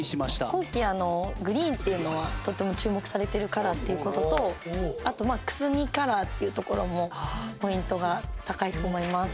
今季グリーンっていうのはとても注目されてるカラーっていう事とあとくすみカラーっていうところもポイントが高いと思います。